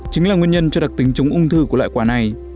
chính là nguyên nhân cho đặc tính chống ung thư của loại quả này